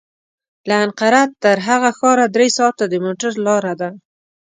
له انقره تر هغه ښاره درې ساعته د موټر لاره ده.